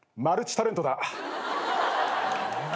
マルチタレント。